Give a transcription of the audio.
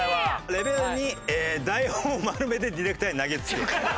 「レベル２台本を丸めてディレクターに投げつける」